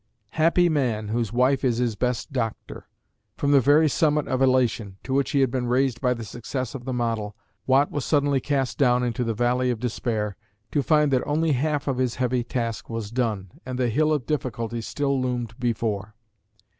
Happy man whose wife is his best doctor. From the very summit of elation, to which he had been raised by the success of the model, Watt was suddenly cast down into the valley of despair to find that only half of his heavy task was done, and the hill of difficulty still loomed before.